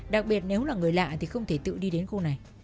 đặc biệt nếu là người lạ thì không thể tự đi đến khu này